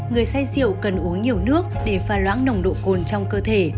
người say rượu cần uống nhiều nước để pha loãng nồng độ cồn trong cơ thể